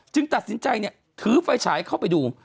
ตัดสินใจถือไฟฉายเข้าไปดู